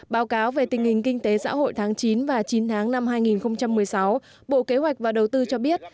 báo cáo về tình hình kinh tế xã hội tháng chín và chín tháng năm hai nghìn một mươi sáu bộ kế hoạch và đầu tư cho biết